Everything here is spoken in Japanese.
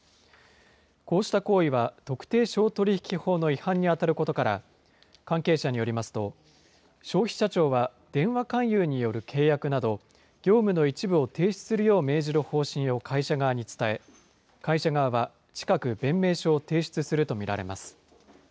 こうした行為は、特定商取引法の違反に当たることから、関係者によりますと、消費者庁は電話勧誘による契約など、業務の一部を停止するよう命じる方針を会社側に伝え、会社側は近く弁明書を提出すると見られます。